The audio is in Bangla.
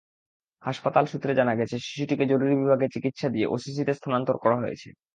হাসপাতাল সূত্রে জানা গেছে, শিশুটিকে জরুরি বিভাগে চিকিৎসা দিয়ে ওসিসিতে স্থানান্তর করা হয়েছে।